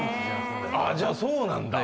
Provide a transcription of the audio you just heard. じゃあそうなんだ！